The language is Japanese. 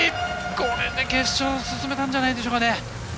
これで決勝進めたんじゃないでしょうかね。